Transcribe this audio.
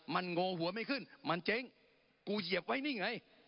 มันโง่หัวไม่ขึ้นมันเจ๊งกูเหยียบไว้นี่ไง